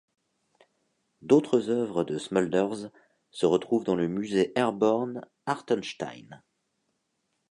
D'autres œuvres de Smulders se retrouvent dans le Musée Airborne Hartenstein.